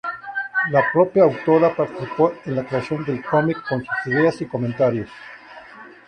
La propia autora participó en la creación del cómic con sus ideas y comentarios.